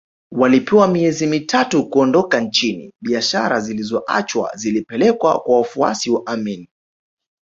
Walipewa miezi mitatu kuondoka nchini biashara zilizoachwa zilipelekwa kwa wafuasi wa Amin